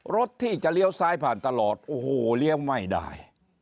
รถที่จะเลี้ยวซ้ายผ่านตลอดโอ้โหเลี้ยวไม่ได้